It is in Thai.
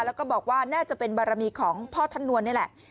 แล้วก็บอกว่าน่าจะเป็นบารมีของพ่อท่านนวลนี่แหละ